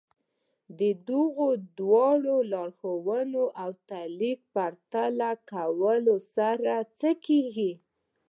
د دغو دوو لارښوونو او تلقين په پرتله کولو سره يو څه کېږي.